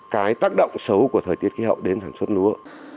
cái tác động xấu của thời tiết khí hậu đến sản xuất lúa